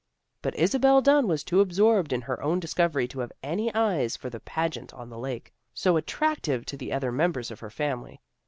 " But Isabel Dunn was too absorbed in her own discovery to have any eyes for the pageant on the lake, so attractive to the other members of her family.